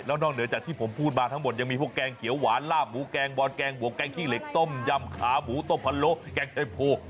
นอกเหนือจากที่ผมพูดมาทั้งหมดยังมีพวกแกงเขียวหวานลาบหมูแกงบอลแกงบวกแกงขี้เหล็กต้มยำขาหมูต้มพะโลแกงแคมโพ